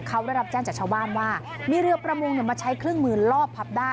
เขาได้รับแจ้งจากชาวบ้านว่ามีเรือประมงมาใช้เครื่องมือลอบพับด้า